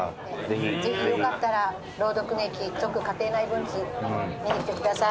ぜひよかったら朗読劇『続・家庭内文通』見に来てください